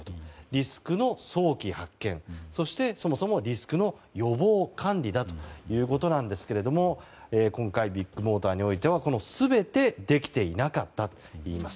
リスクの早期発見そして、そもそもリスクの予防管理だということなんですけれども今回、ビッグモーターにおいては全てできていなかったといいます。